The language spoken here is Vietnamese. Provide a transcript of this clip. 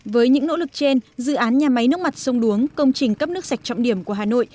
với những nỗ lực trên dự án nhà máy nước mặt sông đuống công trình cấp nước sạch trọng điểm của hà nội